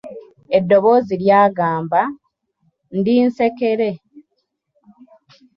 Eddoboozi lyagamba, ndi nsekere.